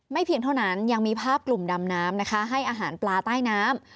เพียงเท่านั้นยังมีภาพกลุ่มดำน้ำนะคะให้อาหารปลาใต้น้ำ